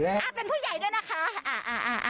อ่าเป็นผู้ใหญ่ด้วยนะคะ